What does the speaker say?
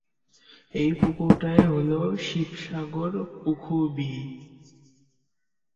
এই পুকুরটায় হ'ল শিবসাগর পুখুৰী।